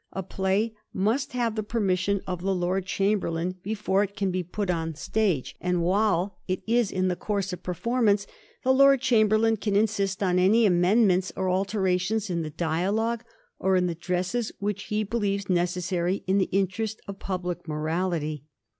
A play must have the permission of the Lord Chamberlain before \7S7 THE PRESS AND THE THEATRE. 97 it can be pat on the stage; and while it is in conrse of performance the Lord Chamberlain can insist on any amendments or alterations in the dialogue or in the dresses which he believes necessary in the interest of public moral ity.